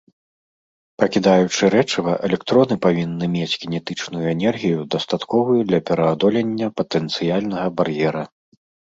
Пакідаючы рэчыва, электроны павінны мець кінетычную энергію, дастатковую для пераадолення патэнцыяльнага бар'ера.